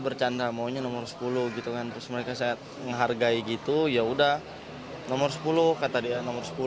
bercanda maunya nomor sepuluh gitu kan terus mereka saya menghargai gitu ya udah nomor sepuluh kata dia nomor sepuluh